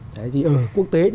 thì ở quốc tế